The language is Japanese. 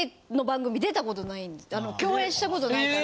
共演したことないから。